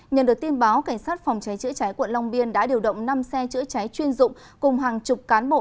nhận được tin báo cảnh sát phòng cháy chữa cháy quận long biên đã điều động năm xe chữa cháy chuyên dụng cùng hàng chục cán bộ